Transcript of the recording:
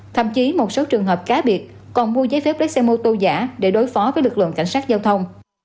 thậm chí một số trường hợp cá biệt còn mua giấy phép lấy xe mô tô giả để đối phó với lực lượng cảnh sát giao thông